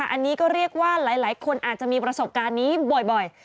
อันนี้ก็เรียกว่าหลายคนอาจจะมีประสบการณ์นี้บ่อย